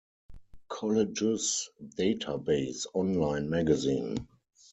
Colleges Database Online Magazine.